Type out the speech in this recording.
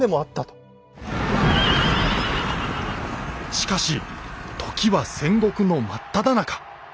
しかし時は戦国のまっただ中。